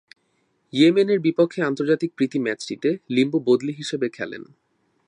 Yemen এর বিপক্ষে আন্তর্জাতিক প্রীতি ম্যাচটিতে লিম্বু বদলি হিসেবে খেলেন।